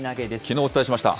きのうお伝えしました。